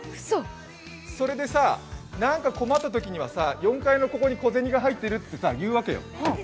それでさ、なんか困ったときには４階のここに小銭が入ってるっていうわけよ。